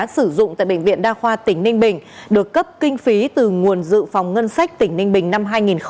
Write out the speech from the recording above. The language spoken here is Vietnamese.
đã sử dụng tại bệnh viện đa khoa tỉnh ninh bình được cấp kinh phí từ nguồn dự phòng ngân sách tỉnh ninh bình năm hai nghìn hai mươi